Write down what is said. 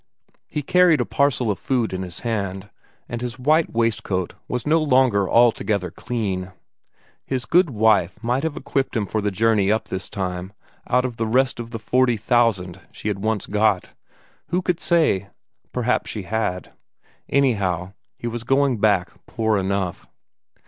He carried a parcel of food in his hand, and his white waistcoat was no longer altogether clean. His good wife might have equipped him for the journey up this time out of the rest of the forty thousand she had once got who could say, perhaps she had. Anyhow, he was going back poor enough.